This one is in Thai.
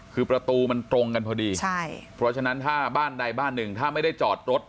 คือประตูมันตรงกันพอดีใช่เพราะฉะนั้นถ้าบ้านใดบ้านหนึ่งถ้าไม่ได้จอดรถ